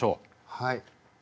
はい。